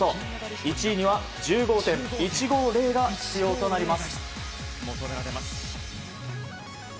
１位には１５．１５０が必要となります。